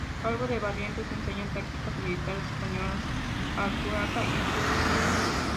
Calvo de Barrientos enseña tácticas militares españolas al curaca y sus tropas.